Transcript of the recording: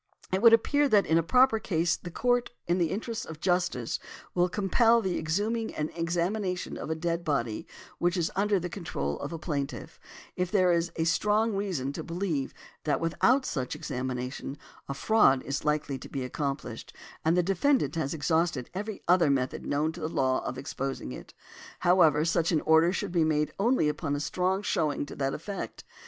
|159| It would appear that in a proper case the Court, in the interests of justice, will compel the exhuming and examination of a dead body which is under the control of a plaintiff, if there is strong reason to believe that without such examination a fraud is likely to be accomplished, and the defendant has exhausted every other method known to the law of exposing it. However, such an order should be made only upon a strong showing to that effect.